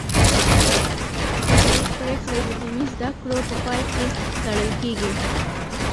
د فضیلت پګړۍ د دیني زده کړو په پای کې تړل کیږي.